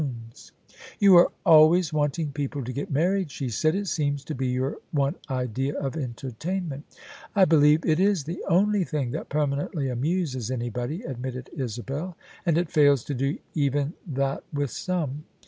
THE SUBJECTION "You are always wanting people to get married," she said :" it seems to be your one idea of entertainment." " I believe it is the only thing that permanently amuses anybody," admitted Isabel. " And it fails to do even that with some."